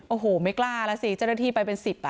โอ้โหไม่กล้าแล้วสิเจ้าหน้าที่ไปเป็น๑๐อ่ะ